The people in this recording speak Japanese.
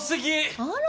あら。